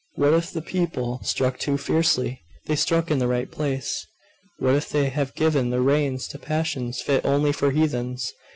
What if the people struck too fiercely? They struck in the right place. What if they have given the reins to passions fit only for heathens?